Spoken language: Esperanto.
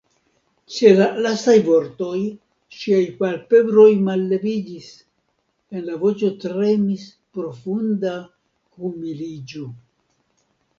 Ĉe la lastaj vortoj ŝiaj palpebroj malleviĝis; en la voĉo tremis profunda humiliĝo.